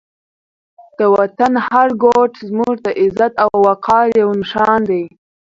د وطن هر ګوټ زموږ د عزت او وقار یو نښان دی.